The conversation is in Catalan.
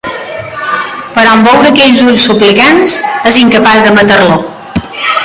Però en veure aquells ulls suplicants, és incapaç de matar-lo.